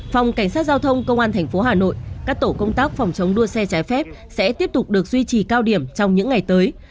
phòng cảnh sát giao thông công an tp hà nội các tổ công tác phòng chống đua xe trái phép sẽ tiếp tục được duy trì cao điểm trong những ngày tới